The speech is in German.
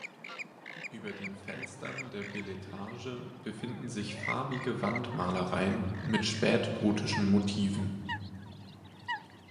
Über den Fenstern der Beletage befinden sich farbige Wandmalereien mit spätgotischen Motiven.